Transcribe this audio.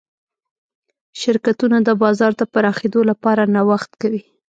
شرکتونه د بازار د پراخېدو لپاره نوښت کوي.